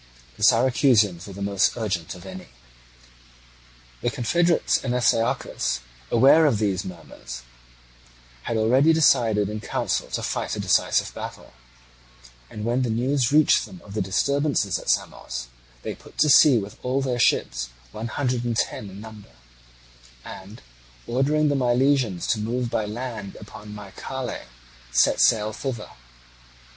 The Syracusans were the most urgent of any. The confederates and Astyochus, aware of these murmurs, had already decided in council to fight a decisive battle; and when the news reached them of the disturbance at Samos, they put to sea with all their ships, one hundred and ten in number, and, ordering the Milesians to move by land upon Mycale, set sail thither.